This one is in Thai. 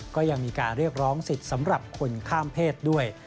ก็ยังมีการเรียกร้องสิทธิ์สำหรับคนข้ามเพศด้วย